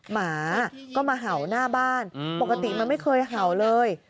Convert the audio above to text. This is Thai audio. หมาก็มาเห่าหน้าบ้านปกติมันไม่เคยเห่าเลย